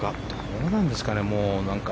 どうなんですかね。